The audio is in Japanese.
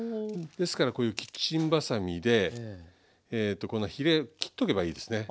ですからこういうキッチンばさみでこのヒレ切っとけばいいですね。